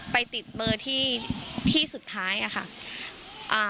ไปติดเบอร์ที่ที่สุดท้ายอะค่ะอ่า